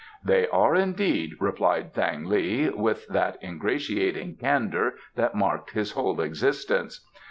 "They are indeed," replied Thang li, with that ingratiating candour that marked his whole existence.